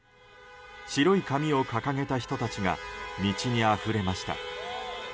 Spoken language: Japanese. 白い紙を掲げた人たちが道にあふれました。